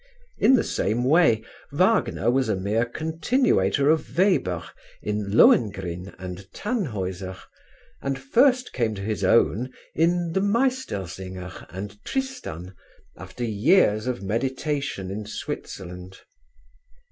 In the same way Wagner was a mere continuator of Weber in Lohengrin and Tannhaeuser, and first came to his own in the Meistersinger and Tristan, after years of meditation in Switzerland.